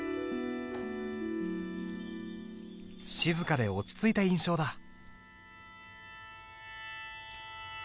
静かで落ち着いた印象だ。